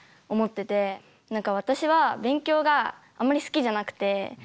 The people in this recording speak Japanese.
何か私は勉強があまり好きじゃなくて。